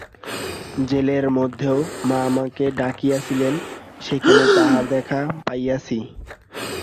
জেলের মধ্যেও মা আমাকে ডাকিয়াছিলেন, সেখানে তাঁহার দেখা পাইয়াছি।